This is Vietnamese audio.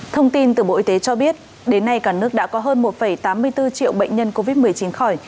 thông tin từ bộ y tế cho biết đến nay cả nước đã có hơn một tám mươi bốn triệu bệnh nhân covid một mươi chín khỏi